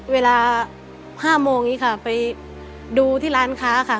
เวลา๕โมงนี้ค่ะไปดูที่ร้านค้าค่ะ